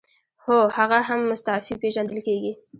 هو هغه هم مستعفي پیژندل کیږي.